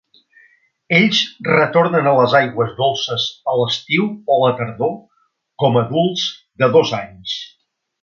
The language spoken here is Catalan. Ells retornen a les aigües dolces a l"estiu o la tardor com adults de dos anys.